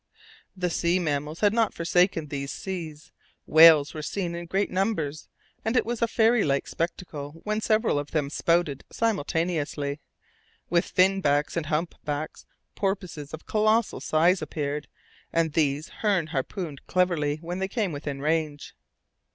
The sea mammals had not forsaken these seas. Whales were seen in great numbers, and it was a fairy like spectacle when several of them spouted simultaneously. With fin backs and hump backs, porpoises of colossal size appeared, and these Hearne harpooned cleverly when they came within range.